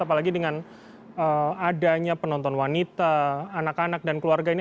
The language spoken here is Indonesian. apalagi dengan adanya penonton wanita anak anak dan keluarga ini